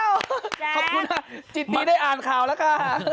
ขอบคุณค่ะจิตนี้ได้อ่านข่าวแล้วค่ะ